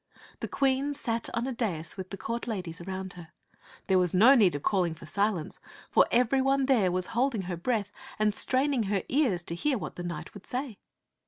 The Queen sat on a dais with the court ladies around her. There was no need of calling for silence, for every one there was holding her breath and straining her ears to hear what the knight would say.